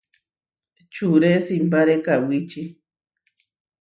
Čuré simpáre kawíči.